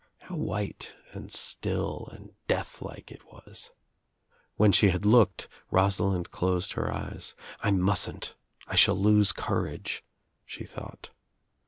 How white and still and death like it was. When shi had looked Rosalind closed her eyes. "I mustn't. 1 shall lose courage," she thought.